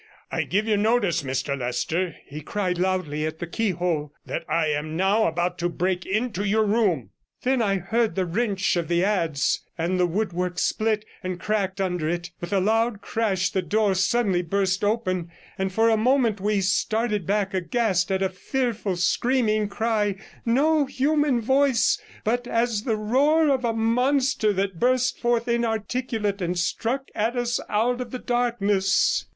I give you notice, Mr Leicester,' he cried loudly at the keyhole, 'that I am now about to break into your room.' Then I heard the wrench of the adze, and the woodwork split and cracked under it; with a loud crash the door suddenly burst open, and for a moment 118 we started back aghast at a fearful screaming cry, no human voice, but as the roar of a monster, that burst forth inarticulate and struck at us out of the darkness.